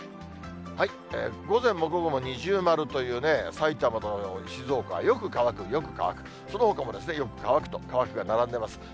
午前も午後も二重丸という、さいたまと静岡はよく乾く、よく乾く、そのほかもよく乾くと乾くが並んでます。